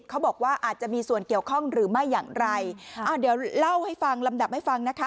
เขาบอกว่าอาจจะมีส่วนเกี่ยวข้องหรือไม่อย่างไรอ่าเดี๋ยวเล่าให้ฟังลำดับให้ฟังนะคะ